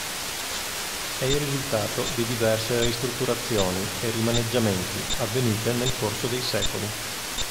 È il risultato di diverse ristrutturazioni e rimaneggiamenti, avvenute nel corso dei secoli.